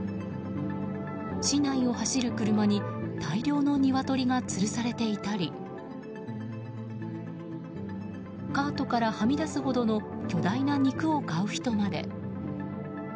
市内を走る車に大量の鶏がつるされていたりカートからはみ出すほどの巨大な肉を買う人まで。